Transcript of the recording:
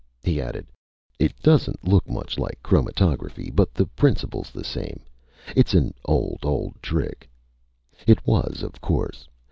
He added, "It doesn't look much like chromatography, but the principle's the same. It's an old, old trick!" It was, of course.